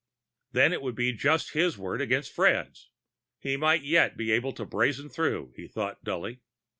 Then it would be just his word against Fred's. He might yet be able to brazen through, he thought dully.